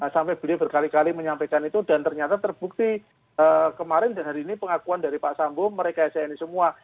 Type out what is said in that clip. sampai beliau berkali kali menyampaikan itu dan ternyata terbukti kemarin dan hari ini pengakuan dari pak sambo merekayasa ini semua